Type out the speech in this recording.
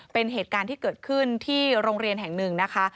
เป็นเหตุการณ์ที่เกิดขึ้นที่โรงเรียนแห่งหนึ่งนะคะ